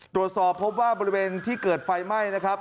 ตรวจสอบพบว่าบริเวณที่เกิดไฟไหม้นะครับ